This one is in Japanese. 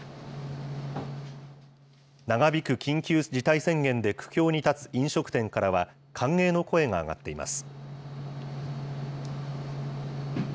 長引く緊急事態宣言で苦境に立つ飲食店からは、歓迎の声が上がっています。